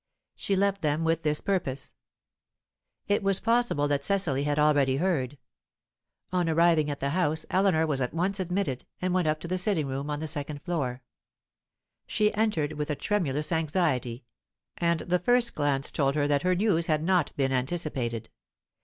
She left them with this purpose. It was possible that Cecily had already heard. On arriving at the house, Eleanor was at once admitted, and went up to the sitting room on the second floor; she entered with a tremulous anxiety, and the first glance told her that her news had not been anticipated.